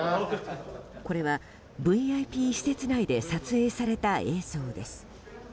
これは、ＶＩＰ施設内で撮影された映像です。